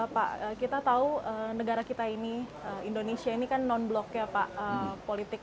pak kita tahu negara kita ini indonesia ini kan non blok ya pak